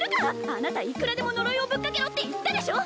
あなたいくらでも呪いをぶっかけろって言ったでしょ